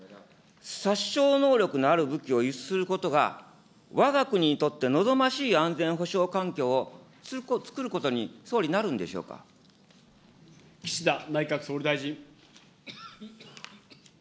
殺傷能力のある武器を輸出することが、わが国にとって望ましい安全保障環境をつくることに、岸田内閣総理大臣。